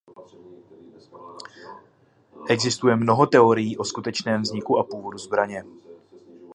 Existuje mnoho teorií o skutečném vzniku a původu zbraně.